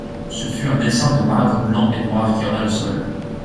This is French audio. Ce fut un dessin de marbre blanc et noir qui orna le sol.